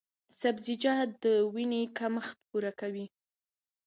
سبزیجات د وینې کمښت پوره کوي۔